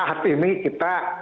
saat ini kita